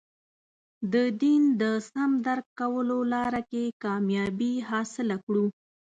د دین د سم درک کولو لاره کې کامیابي حاصله کړو.